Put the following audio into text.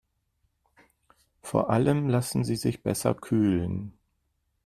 Vor allem lassen sie sich besser kühlen.